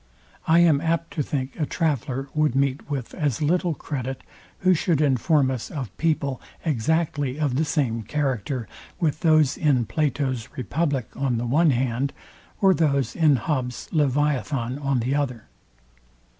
I am apt to think a travellar would meet with as little credit, who should inform us of people exactly of the same character with those in Plato's republic on the one hand, or those in Hobbes's Leviathan on the other.